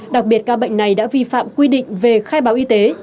đặc biệt ca bệnh này đã vi phạm quy định về khai báo y tế